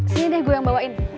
sini deh gue yang bawain